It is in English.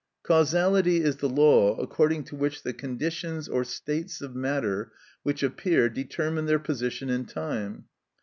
Causality is the law according to which the conditions or states of matter which appear determine their position in time.